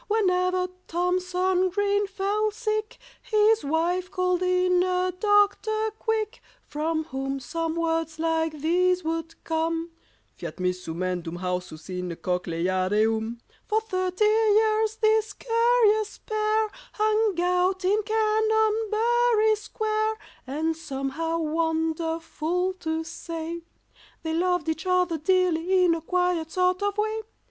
Whenever THOMSON GREEN fell sick His wife called in a doctor, quick, From whom some words like these would come— Fiat mist. sumendum haustus, in a cochleyareum. For thirty years this curious pair Hung out in Canonbury Square, And somehow, wonderful to say, They loved each other dearly in a quiet sort of way.